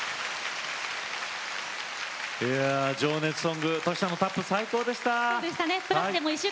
情熱ソングトシちゃんのタップ最高でした。